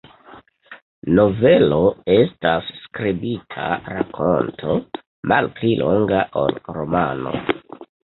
Novelo estas skribita rakonto, malpli longa ol romano.